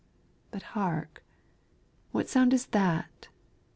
But hark! what sound is that!